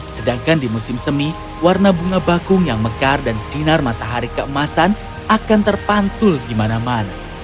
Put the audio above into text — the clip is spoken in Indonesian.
sedangkan di musim semi warna bunga bakung yang mekar dan sinar matahari keemasan akan terpantul di mana mana